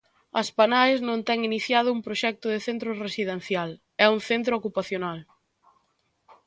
Aspanaes non ten iniciado un proxecto de centro residencial, é un centro ocupacional.